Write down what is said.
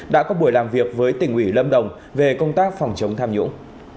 đã có buổi làm việc với tỉnh ủy lâm đồng về công tác phòng chống tham nhũng